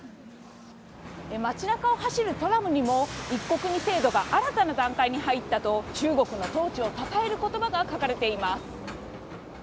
街なかを走るトラムにも、一国二制度が新たな段階に入ったと、中国の統治をたたえることばが書かれています。